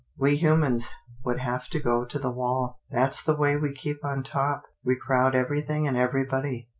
We humans would have to go to the wall. That's the way we keep on top. We crowd everything and everybody."